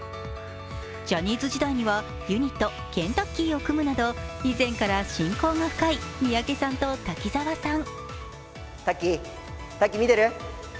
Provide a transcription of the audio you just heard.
ジャニーズ時代にはユニット、ＫＥＮ☆Ｔａｃｋｅｙを組むなど以前から親交が深い三宅さんと滝沢さん。